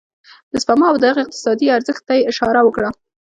د سپما او د هغه اقتصادي ارزښت ته يې اشاره وکړه.